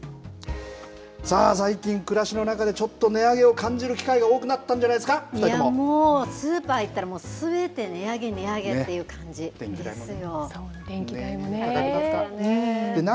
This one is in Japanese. さあ、最近、暮らしの中でちょっと値上げを感じる機会が多くなったんじゃないいや、もう、スーパー行ったら、すべて値上げ、値上げっていう感じですよ。